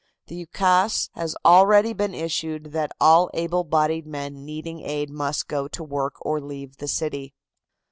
The ukase has already been issued that all able bodied men needing aid must go to work or leave the city.